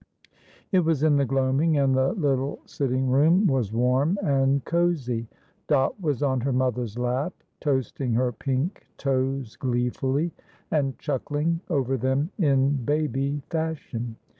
It was in the gloaming, and the little sitting room was warm and cosy. Dot was on her mother's lap, toasting her pink toes gleefully, and chuckling over them in baby fashion.